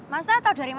maksudnya tau dari mana